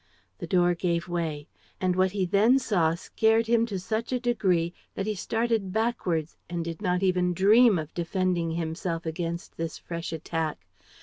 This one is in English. The door gave way. And what he then saw scared him to such a degree that he started backwards and did not even dream of defending himself against this fresh attack.